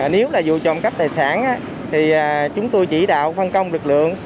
nếu là vụ trộm cắp tài sản thì chúng tôi chỉ đạo phân công lực lượng